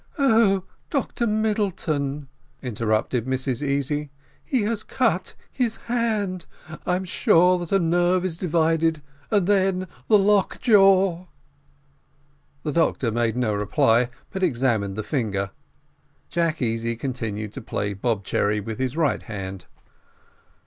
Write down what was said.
"Oh, Dr Middleton," interrupted Mrs Easy, "he has cut his hand; I am sure that a nerve is divided, and then the lockjaw " The doctor made no reply, but examined the finger: Jack Easy continued to play bob cherry with his right hand.